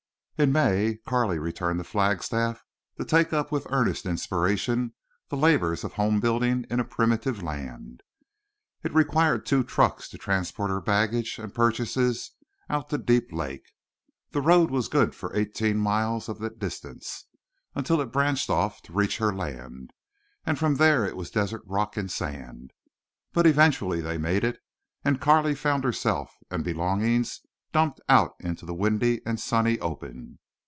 In May, Carley returned to Flagstaff to take up with earnest inspiration the labors of homebuilding in a primitive land. It required two trucks to transport her baggage and purchases out to Deep Lake. The road was good for eighteen miles of the distance, until it branched off to reach her land, and from there it was desert rock and sand. But eventually they made it; and Carley found herself and belongings dumped out into the windy and sunny open.